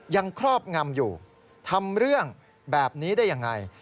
ครอบงำอยู่ทำเรื่องแบบนี้ได้ยังไง